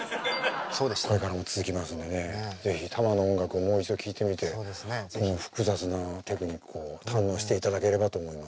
これからも続きますんでね是非たまの音楽をもう一度聴いてみて複雑なテクニックを堪能していただければと思います。